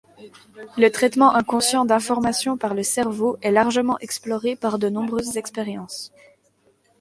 Le traitement inconscient d'informations par le cerveau est largement exploré par de nombreuses expériences.